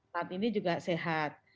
saat ini juga sehat